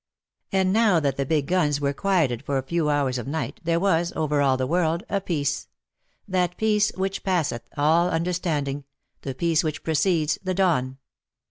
And now that the big guns were quieted for the few hours of night, there was, over all the world, a peace — that peace which passeth all understanding, the peace which precedes the dawn.